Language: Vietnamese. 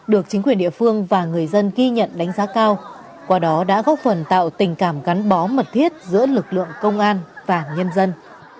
được chính quyền địa phương và người dân ghi nhận đánh giá cao qua đó đã góp phần tạo tình cảm gắn bó mật thiết giữa lực lượng công an và nhân dân